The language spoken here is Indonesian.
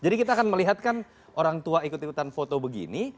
jadi kita akan melihatkan orang tua ikut ikutan foto begini